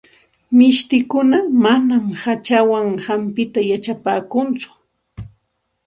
Mishtikuna manam hachawan hampita yachapaakunchu.